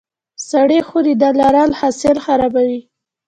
سړې خونې نه لرل حاصل خرابوي.